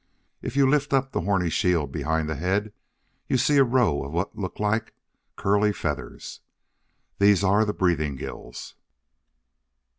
If you lift up the horny shield behind the head, you see a row of what look like curly feathers. These are the breathing gills.